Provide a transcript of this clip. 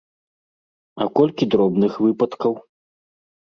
А колькі дробных выпадкаў?